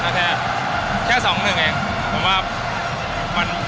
ก็แค่แค่สองหนึ่งเองผมว่ามันมันไม่ได้เหนือบากกว่าแรงที่เราอยากเล่นในนัดสอง